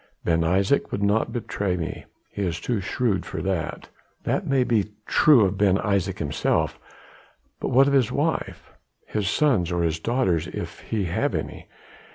Ben Isaje would not betray me. He is too shrewd for that." "That may be true of Ben Isaje himself; but what of his wife? his sons or daughters if he have any?